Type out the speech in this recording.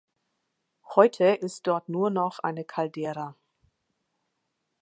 Heute ist dort nur noch eine Caldera.